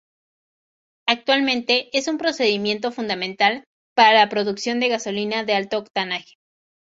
Actualmente es un procedimiento fundamental para la producción de gasolina de alto octanaje.